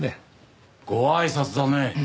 ごあいさつだね。